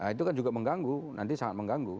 itu kan juga mengganggu nanti sangat mengganggu